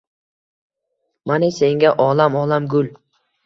«Mana senga olam-olam gul